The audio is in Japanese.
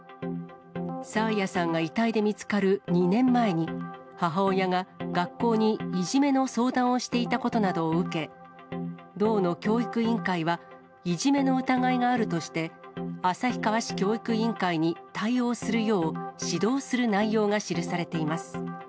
爽彩さんが遺体で見つかる２年前に、母親が学校にいじめの相談をしていたことなどを受け、道の教育委員会は、いじめの疑いがあるとして、旭川市教育委員会に対応するよう、指導する内容が記されています。